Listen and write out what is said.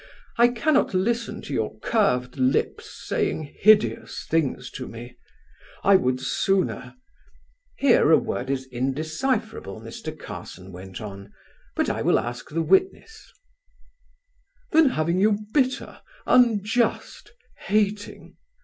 I cannot listen to your curved lips saying hideous things to me. I would sooner ('here a word is indecipherable,' Mr. Carson went on, 'but I will ask the witness') than have you bitter, unjust, hating....